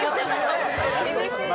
厳しいな。